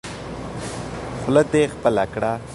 خوله دې خپله کړه.